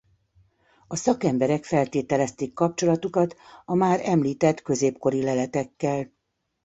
A szakemberek feltételezték kapcsolatukat a már említett középkori leletekkel.